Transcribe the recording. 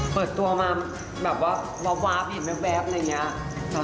เปิดตัวมาแบบว่าวาบเห็นแว๊บอะไรอย่างนี้